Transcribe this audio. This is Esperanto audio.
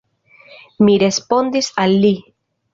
Mi respondis al li.